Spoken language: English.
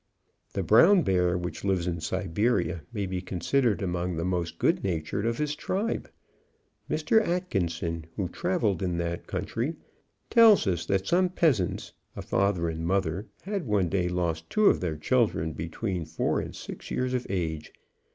The brown bear, which lives in Siberia, may be considered among the most good natured of his tribe. Mr. Atkinson, who travelled in that country, tells us that some peasants a father and mother had one day lost two of their children, between four and six years of age.